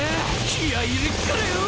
気合入れっからよぉ！